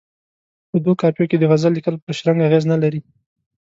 په دوو قافیو کې د غزل لیکل پر شرنګ اغېز نه لري.